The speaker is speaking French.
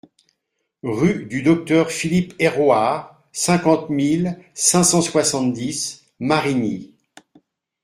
Rue du Docteur Philippe Hérouard, cinquante mille cinq cent soixante-dix Marigny